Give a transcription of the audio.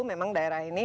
memang daerah ini